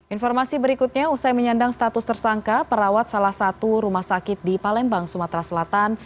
informasi berikutnya usai menyandang status tersangka perawat salah satu rumah sakit di palembang sumatera selatan